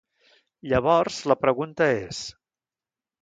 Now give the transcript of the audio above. Llavors, la pregunta és: